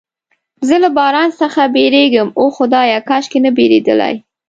زه له باران څخه بیریږم، اوه خدایه، کاشکې نه بیریدلای.